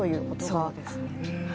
そうですね。